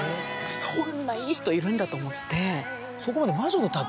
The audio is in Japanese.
そんないい人いるんだと思って。